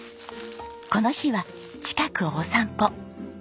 この日は近くをお散歩。